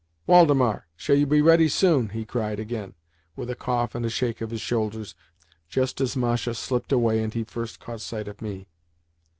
"Waldemar, shall you be ready soon?" he cried again, with a cough and a shake of his shoulders, just as Masha slipped away and he first caught sight of me.